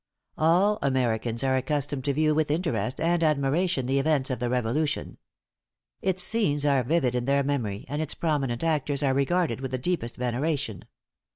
|All Americans are accustomed to view with interest and admiration the events of the Revolution. Its scenes are vivid in their memory, and its prominent actors are regarded with the deepest veneration.